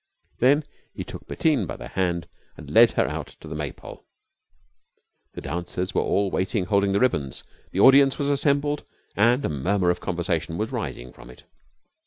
Then he took Bettine by the hand and led her out to the Maypole. The dancers were all waiting holding the ribbons. The audience was assembled and a murmur of conversation was rising from it.